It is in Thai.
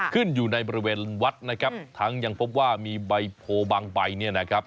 อยู่ในบริเวณวัดนะครับทั้งยังพบว่ามีใบโพบางใบเนี่ยนะครับ